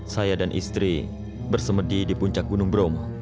saya dan istri bersemedi di puncak gunung bromo